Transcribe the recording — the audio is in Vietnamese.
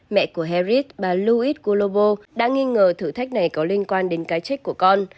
mẹ của harris bà louis global đã nghi ngờ thử thách này có liên quan đến cái trách của con